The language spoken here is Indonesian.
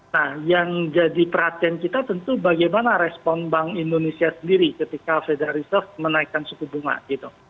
nah yang jadi perhatian kita tentu bagaimana respon bank indonesia sendiri ketika federal reserve menaikkan suku bunga gitu